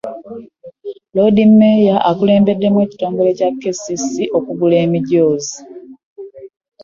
Loodi meeya akulembeddemu ekitongole kya KCCA okugula emijoozi.